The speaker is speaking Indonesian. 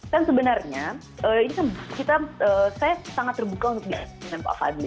kan sebenarnya saya sangat terbuka untuk diperkenankan kepada fadli